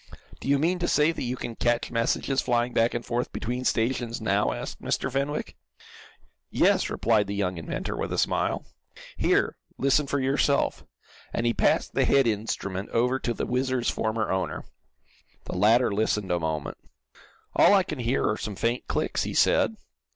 "Do you mean to say that you can catch messages flying back and forth between stations now?" asked Mr. Fenwick. "Yes," replied the young inventor, with a smile. "Here, listen for yourself," and he passed the head instrument over to the WHIZZER's former owner. The latter listened a moment. "All I can hear are some faint clicks," he said.